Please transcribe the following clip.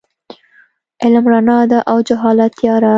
علم رڼا ده او جهالت تیاره.